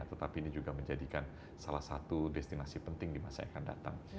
tetapi ini juga menjadikan salah satu destinasi penting di masa yang akan datang